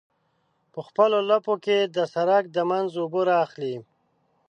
په خپلو لپو کې د سرک د منځ اوبه رااخلي.